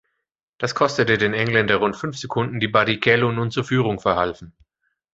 Das kostete den Engländer rund fünf Sekunden, die Barrichello nun zur Führung verhalfen.